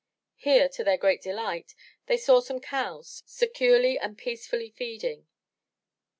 Here, to their great delight, they saw some cows, securely and peacefully feeding.